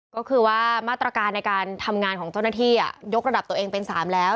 ก็คือว่ามาตรการในการทำงานของเจ้าหน้าที่ยกระดับตัวเองเป็น๓แล้ว